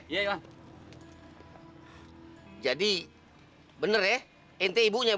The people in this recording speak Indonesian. bisa bantu ya